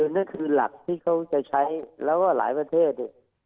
นั่นคือหลักที่เขาจะใช้แล้วก็หลายประเทศเนี่ย